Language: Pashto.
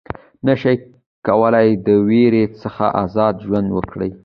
نه شي کولای د وېرې څخه آزاد ژوند وکړي.